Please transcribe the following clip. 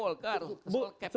bukan soal golkar soal capital